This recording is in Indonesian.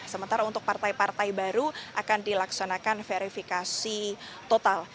sementara untuk partai partai baru akan dilaksanakan verifikasi total